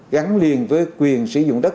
gắn liền với quyền sử dụng đất